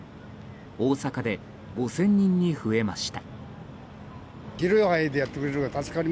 大阪で５０００人に増えました。